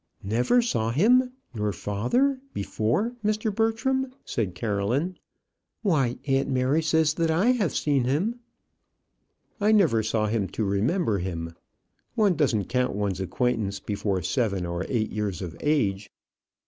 "Never saw him, your father, before, Mr. Bertram?" said Caroline. "Why, aunt Mary says that I have seen him." "I never saw him to remember him. One doesn't count one's acquaintance before seven or eight years of age."